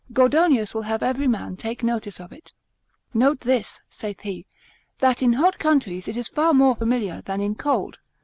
Gordonius will have every man take notice of it: Note this (saith he) that in hot countries it is far more familiar than in cold.